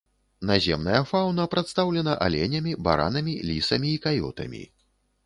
Наземная фаўна прадстаўлена аленямі, баранамі, лісамі і каётамі.